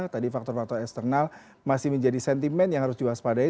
tadi faktor faktor eksternal masih menjadi sentimen yang harus diwaspadai